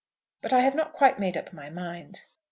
But I have not quite made up my mind."